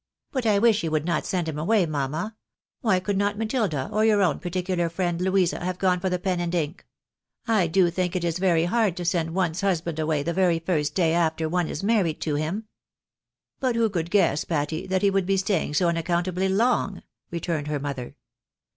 " But I wish you would not send him away, mamma ! Why could not Matilda, or your own particular friend, Louisa, have gone for the pen and ink ? I do think it is very hard to send one's husband away the very first day after ona is married to him." 4 THE BARNABYS IN AMEEICA. " But who could guess, Patty, that he would be staying so un accountably long ?" returned her mother.